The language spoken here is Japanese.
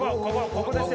ここですよ。